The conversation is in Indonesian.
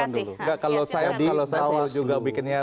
enggak kalau saya perlu juga bikinnya buatnya kualifikasi bang